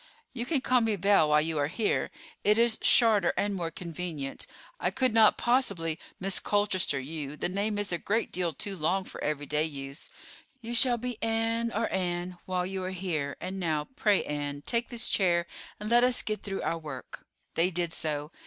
"You can call me Belle while you are here; it is shorter and more convenient. I could not possibly 'Miss Colchester' you; the name is a great deal too long for everyday use. You shall be Anne, or Ann, while you are here. And now, pray, Ann, take this chair and let us get through our work." They did so.